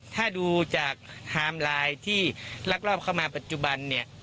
ถ้าดูจากไทม์ไลน์ที่ลักลอบเข้ามาปัจจุบันเนี่ย